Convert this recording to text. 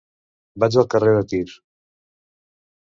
Vaig al carrer de Tir.